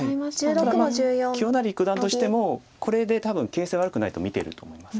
ただ清成九段としてもこれで多分形勢悪くないと見ていると思います。